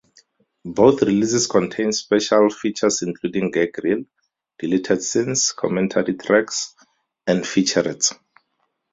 Both releases contain special features including gag reel, deleted scenes, commentary tracks, and featurettes.